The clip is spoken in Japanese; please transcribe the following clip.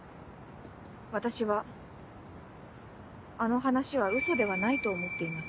私はあの話はウソではないと思っています。